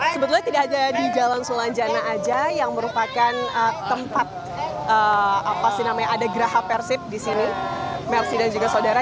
sebetulnya tidak hanya di jalan sulanjana saja yang merupakan tempat apa sih namanya ada geraha persib di sini mersi dan juga saudara